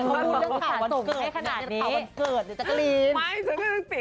เธอต้องมีตอนส่งให้ขนาดนี้